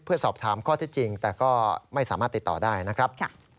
เพื่อสอบถามข้อที่จริงแต่ก็ไม่สามารถติดต่อได้นะครับ